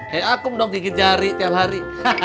hei akum dong gigit jari tiap hari